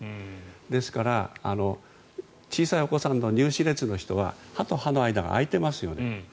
ですから、小さいお子さんの乳歯列の人は歯と歯の間が空いていますよね。